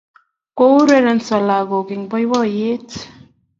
Kourerenso lagok eng' poipoiyet